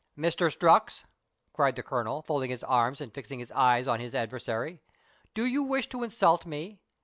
"Mr. Strux," cried the Colonel, folding his arms, and fixing his eyes on his adversary, " do you wish to insult me